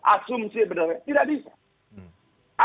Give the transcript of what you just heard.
asumsi benar benar tidak bisa